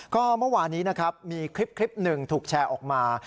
ก็เมื่อวานนี้นะครับมีคลิปหนึ่งถูกแชร์ออกมา